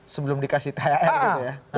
sebelum dikasih thr gitu ya